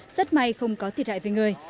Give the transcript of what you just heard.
rất may không có thiệt hại về người